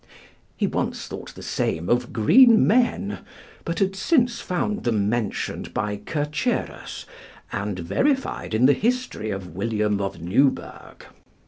He once thought the same of green men, but had since found them mentioned by Kercherus, and verified in the history of William of Newburg.